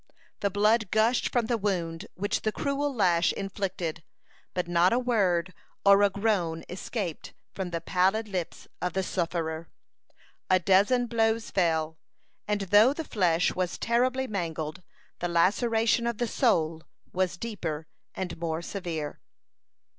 The blood gushed from the wound which the cruel lash inflicted, but not a word or a groan escaped from the pallid lips of the sufferer. A dozen blows fell, and though the flesh was terribly mangled, the laceration of the soul was deeper and more severe.